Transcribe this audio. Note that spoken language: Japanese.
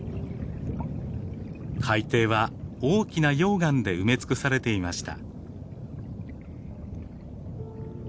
海底は大きな溶岩で埋めつくされていました。